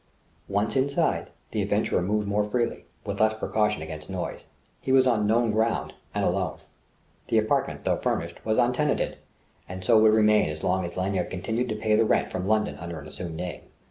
Once inside, the adventurer moved more freely, with less precaution against noise. He was on known ground, and alone; the apartment, though furnished, was untenanted, and would so remain as long as Lanyard continued to pay the rent from London under an assumed name.